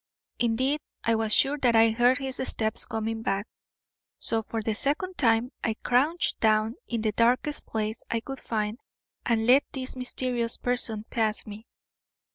Indeed, I was sure that I heard his steps coming back. So, for the second time, I crouched down in the darkest place I could find and let this mysterious person pass me.